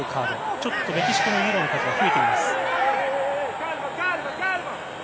ちょっとメキシコのイエローカードが増えています。